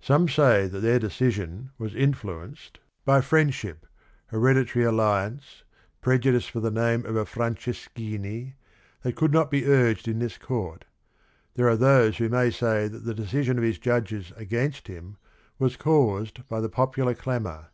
Some say that their decision was influenced by 70 THE RING AND THE BOOK friendship, hereditary alliance, prejudice for the name of a Franceschini, that could not be urged in this court. There are those who may say that the decision of his judges against him was caused by the popular clamor.